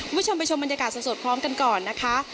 วิชมไปชมบรรยากาศส่วนสดพร้อมกันก่อนนะคะ